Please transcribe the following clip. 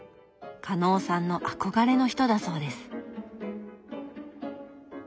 加納さんの憧れの人だそうです。